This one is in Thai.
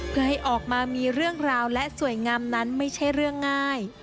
เพื่อให้ออกมามีเรื่องราวและสวยงามนั้นไม่ใช่เรื่องง่าย